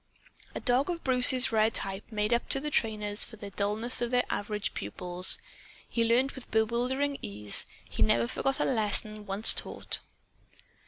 A dog of Bruce's rare type made up to the trainers for the dullness of their average pupils. He learned with bewildering ease. He never forgot a lesson once taught.